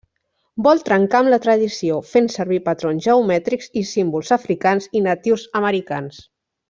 Vol trencar amb la tradició, fent servir patrons geomètrics i símbols africans i natius americans.